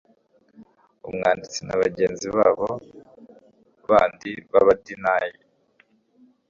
umwanditsi na bagenzi babo bandi b abadinayi